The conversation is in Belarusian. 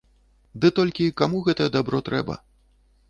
Ды толькі каму гэтае дабро трэба?